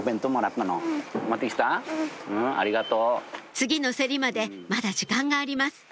次の競りまでまだ時間があります